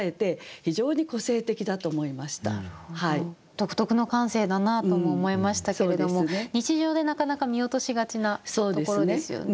独特の感性だなとも思いましたけれども日常でなかなか見落としがちなところですよね。